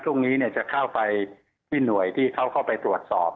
พรุ่งนี้จะเข้าไปที่หน่วยที่เขาเข้าไปตรวจสอบ